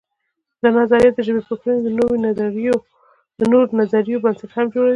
دا نظریه د ژبپوهنې د نورو نظریو بنسټ هم جوړوي.